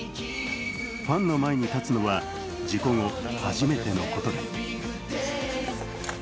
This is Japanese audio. ファンの前に立つのは事故後、初めてのことだ。